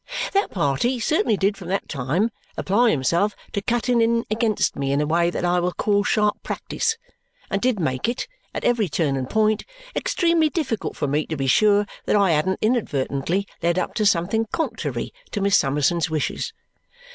That party certainly did from that time apply himself to cutting in against me in a way that I will call sharp practice, and did make it, at every turn and point, extremely difficult for me to be sure that I hadn't inadvertently led up to something contrary to Miss Summerson's wishes.